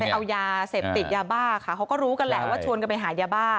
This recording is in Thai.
เอายาเสพติดยาบ้าค่ะเขาก็รู้กันแหละว่าชวนกันไปหายาบ้า